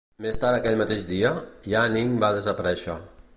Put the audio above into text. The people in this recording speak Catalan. Més tard aquell mateix dia, Yaning va desaparèixer.